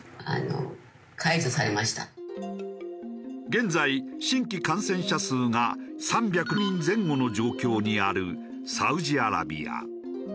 現在新規感染者数が３００人前後の状況にあるサウジアラビア。